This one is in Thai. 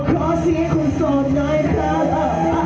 หยุดมีท่าหยุดมีท่า